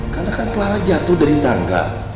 karena kan clara jatuh dari tangga